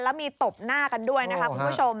แล้วมีตบหน้ากันด้วยนะคะคุณผู้ชม